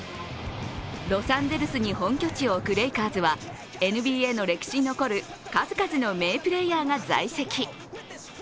ロサンゼルスに本拠地を置くレイカーズはＮＢＡの歴史に残る数々の名プレーヤーが在籍。